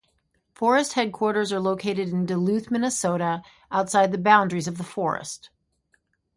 Forest headquarters are located in Duluth, Minnesota, outside the boundaries of the forest.